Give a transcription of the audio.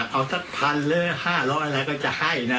เขาจะออกปากเอาหรือ๕๐๐บาทเขาก็จะให้นะ